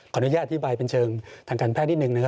อนุญาตอธิบายเป็นเชิงทางการแพทย์นิดนึงนะครับ